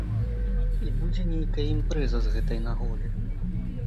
І будзе нейкая імпрэза з гэтай нагоды.